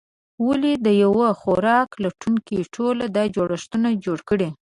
ولې یوه خوراک لټونکې ټولنه دا جوړښتونه جوړ کړي؟